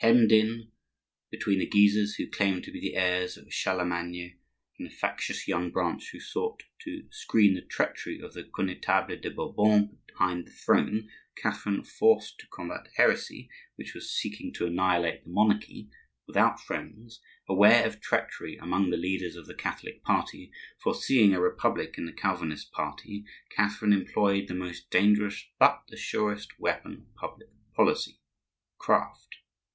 Hemmed in between the Guises who claimed to be the heirs of Charlemagne and the factious younger branch who sought to screen the treachery of the Connetable de Bourbon behind the throne, Catherine, forced to combat heresy which was seeking to annihilate the monarchy, without friends, aware of treachery among the leaders of the Catholic party, foreseeing a republic in the Calvinist party, Catherine employed the most dangerous but the surest weapon of public policy,—craft.